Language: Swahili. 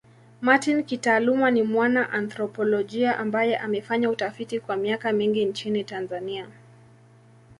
Martin kitaaluma ni mwana anthropolojia ambaye amefanya utafiti kwa miaka mingi nchini Tanzania.